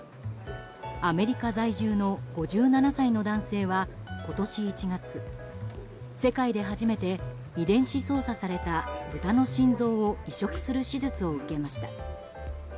アメリカ在住の５７歳の男性は今年１月世界で初めて遺伝子操作されたブタの心臓を移植する手術を受けました。